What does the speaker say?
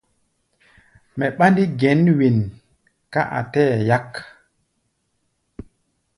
Mɛ ɓándí gɛn wen ká a tɛɛ́ yak.